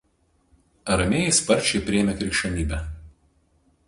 Aramėjai sparčiai priėmė krikščionybę.